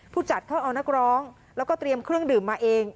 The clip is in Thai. ผู้จัดเขาเอานักร้องแล้วก็เตรียมเครื่องดื่มมาเอง